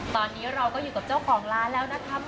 ตอนนี้เราก็อยู่กับเจ้าของร้านแล้วนะครับ